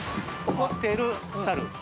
怒っているサル。